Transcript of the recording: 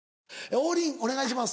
王林お願いします。